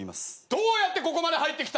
どうやってここまで入ってきた？